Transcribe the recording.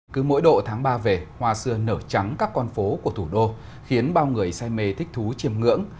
cứ mỗi độ tháng ba về hoa xưa nở trắng các con phố của thủ đô khiến bao người say mê thích thú chiêm ngưỡng